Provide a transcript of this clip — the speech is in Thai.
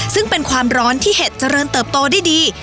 ซึ่งเป็นความร้อนที่เห็ดเจริญเติบโตได้ดี